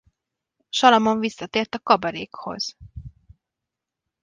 Salamon visszatért a kabarékhoz.